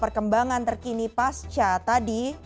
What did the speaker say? perkembangan terkini pasca tadi